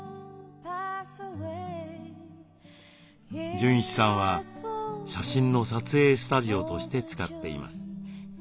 純一さんは写真の撮影スタジオとして使っています。